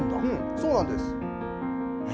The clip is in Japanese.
そうなんです。